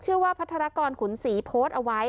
ว่าพัฒนากรขุนศรีโพสต์เอาไว้